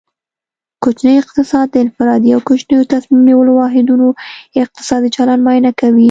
کوچنی اقتصاد د انفرادي او کوچنیو تصمیم نیولو واحدونو اقتصادي چلند معاینه کوي